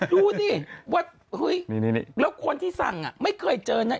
ดูนี่ว่าเฮ้ยนี่นี่นี่แล้วคนที่สั่งอ่ะไม่เคยเจอน่ะ